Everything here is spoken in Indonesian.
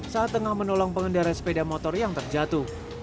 saat tengah menolong pengendara sepeda motor yang terjatuh